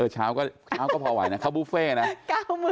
เช้าก็พอไหวนะเขาบุฟเฟ่นะ